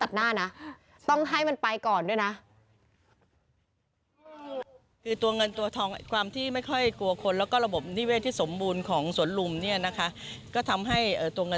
บางทีเดินคุมถนนไม่กล้าวน่าจะวิ่งตัดหน้านะ